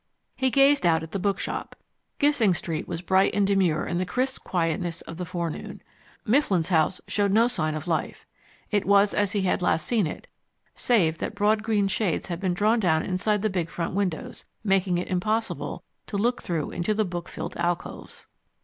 He gazed out at the bookshop. Gissing Street was bright and demure in the crisp quietness of the forenoon. Mifflin's house showed no sign of life. It was as he had last seen it, save that broad green shades had been drawn down inside the big front windows, making it impossible to look through into the book filled alcoves.